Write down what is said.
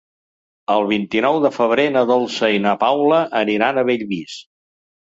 El vint-i-nou de febrer na Dolça i na Paula aniran a Bellvís.